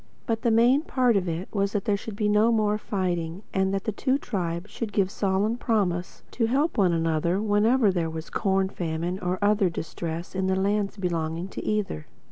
But the main part of it all was that there should be no more fighting; and that the two tribes should give solemn promise to help one another whenever there was corn famine or other distress in the lands belonging to either.